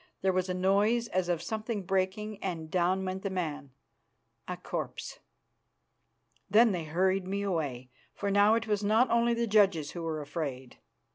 There was a noise as of something breaking, and down went the man a corpse. Then they hurried me away, for now it was not only the judges who were afraid.